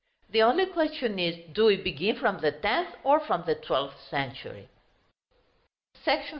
The only question is, do we begin from the tenth or from the twelfth century? § XXXIII.